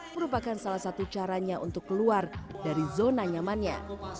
merupakan salah satu caranya untuk keluar dari zona nyamannya